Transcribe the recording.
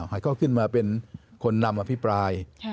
ให้เขาขึ้นมาเป็นคนนำอภิปราย